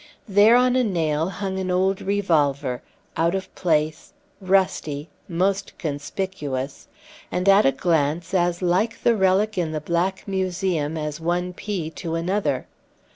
There on a nail hung an old revolver, out of place, rusty, most conspicuous; and at a glance as like the relic in the Black Museum as one pea to another.